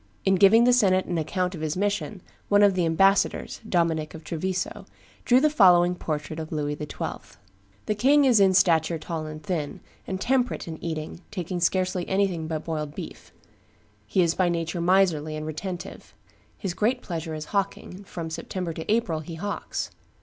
In giving the senate an account of his mission, one of the ambassadors, Dominic of Treviso, drew the following portrait of Louis XII.: "The king is in stature tall and thin, and temperate in eating, taking scarcely anything but boiled beef; he is by nature miserly and retentive; his great pleasure is hawking; from September to April he hawks.